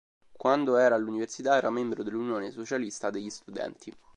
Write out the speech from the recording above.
Quando era all'università era membro dell'unione socialista degli studenti.